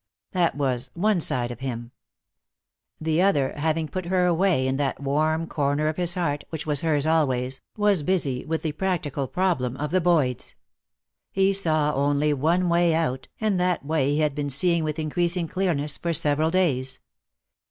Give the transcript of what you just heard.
That was one side of him. The other, having put her away in that warm corner of his heart which was hers always, was busy with the practical problem of the Boyds. He saw only one way out, and that way he had been seeing with increasing clearness for several days.